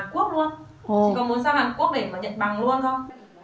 chị còn muốn sang hàn quốc để mà nhận bằng luôn thôi